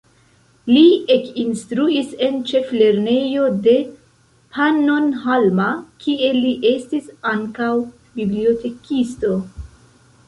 Li ekinstruis en ĉeflernejo de Pannonhalma, kie li estis ankaŭ bibliotekisto.